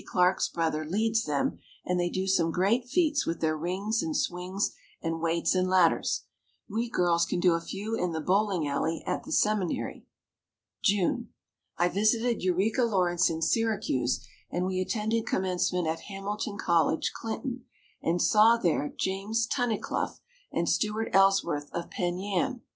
Clarke's brother leads them and they do some great feats with their rings and swings and weights and ladders. We girls can do a few in the bowling alley at the Seminary. June. I visited Eureka Lawrence in Syracuse and we attended commencement at Hamilton College, Clinton, and saw there, James Tunnicliff and Stewart Ellsworth of Penn Yan.